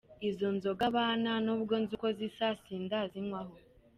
Izo nzoga banta n’ubwo nzi uko zisa, sindayinywaho.